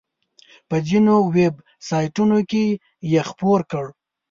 په ځینو ویب سایټونو کې یې خپور کړ.